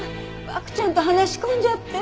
バクちゃんと話し込んじゃって。